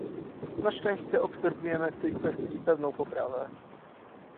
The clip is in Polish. Na szczęście obserwujemy w tej kwestii pewną poprawę